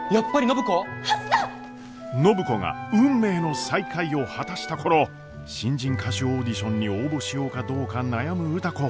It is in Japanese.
暢子が運命の再会を果たした頃新人歌手オーディションに応募しようかどうか悩む歌子。